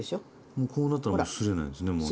もうこうなったらもうすれないですねもうね。